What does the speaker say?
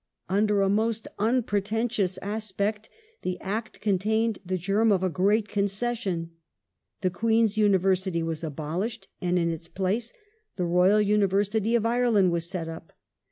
Under a most unpretentious aspect, the Act contained the germ of a great concession. The Queen's University was abolished, and in its place the Royal University of Ireland was set up.